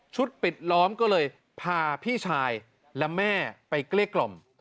ปิดล้อมก็เลยพาพี่ชายและแม่ไปเกลี้ยกล่อม